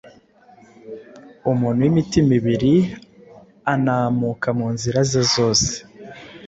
umuntu w’imitima ibiri anamuka mu nzira ze zose